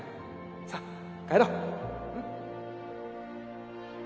さぁ帰ろう